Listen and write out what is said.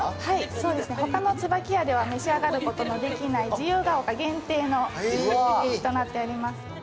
そうですね、他の椿屋では召し上がることのできない自由が丘限定となっております。